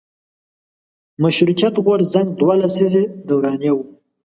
مشروطیت غورځنګ دوه لسیزې دورانیه وه.